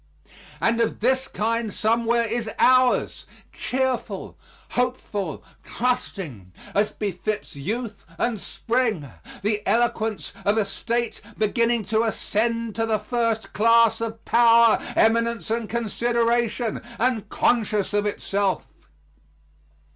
And of this kind somewhat is ours cheerful, hopeful, trusting, as befits youth and spring; the eloquence of a state beginning to ascend to the first class of power, eminence, and consideration, and conscious of itself.